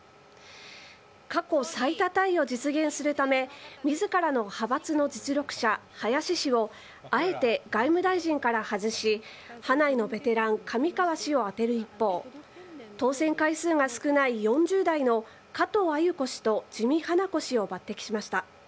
過去最多タイを実現するため自らの派閥の実力者、林氏をあえて外務大臣から外し派内のベテラン上川氏をあてる一方当選回数が少ない４０代の加藤鮎子議員と自見英子議員を抜てきしました。